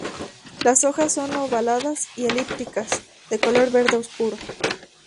Las hojas son ovaladas o elípticas de color verde oscuro.